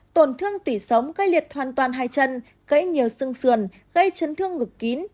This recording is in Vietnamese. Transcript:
tổn thương tủy sống gây liệt hoàn toàn hai chân gây nhiều xương xườn gây chấn thương ngực kín